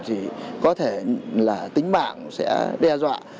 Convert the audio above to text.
thì có thể là tính mạng sẽ đe dọa